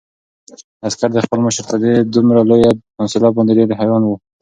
عسکر د خپل مشر په دې دومره لویه حوصله باندې ډېر حیران و.